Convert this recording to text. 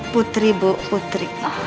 putri bu putri